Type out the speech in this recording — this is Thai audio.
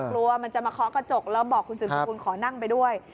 กลัวมันจะมาเคาะกระจกแล้วบอกคุณสืบสกุลขอนั่งไปด้วย